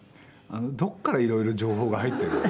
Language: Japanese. どこから色々情報が入ってるんですか？